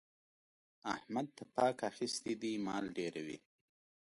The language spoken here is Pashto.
احمد تپاک اخيستی دی؛ مال ډېروي.